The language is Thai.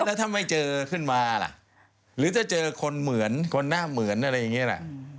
แล้วถ้าไม่เจอขึ้นมาล่ะหรือถ้าเจอคนเหมือนคนหน้าเหมือนอะไรอย่างนี้แหละ